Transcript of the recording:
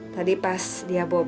tadi pas dia bawa